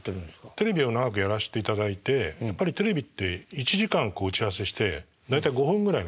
テレビを長くやらせていただいてやっぱりテレビって１時間打ち合わせして大体５分ぐらいなんですね